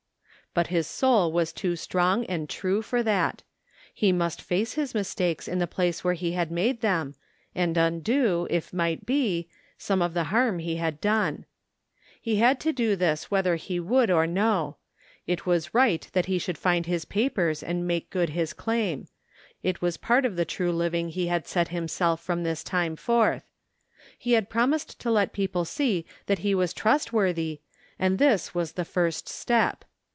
But his soul was too strong and true for that He must face his mistakes in the place where he had made them and undo, if might be, some of the harm he had done. He had to do this whether he would or no. It was right that he should find his papers and make good his claim. It was a part of the true living he had set himself from this time forth. He had prcwnised to let people see that he was trustworthy and this was the first step.